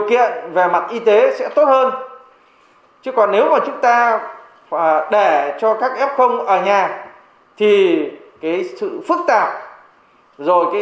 điều kiện về mặt y tế sẽ tốt hơn chứ còn nếu mà chúng ta để cho các f ở nhà thì cái sự phức tạp rồi